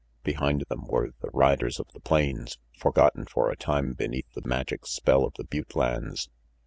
Behind them were the riders of the plains, forgotten for a tune beneath the magic spell of the butte lands.